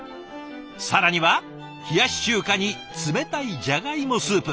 更には冷やし中華に冷たいじゃがいもスープ。